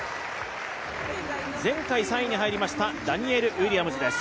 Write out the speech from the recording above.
前回３位に入りました、ダニエル・ウィリアムズです。